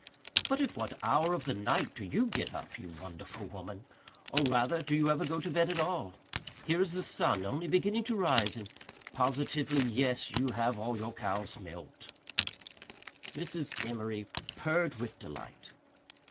But at what hour of the night do you get up, you wonderful woman? Or rather do you ever go to bed at all? Here is the sun only beginning to rise and positively yes, you have all your cows milked." Mrs. Emory purred with delight.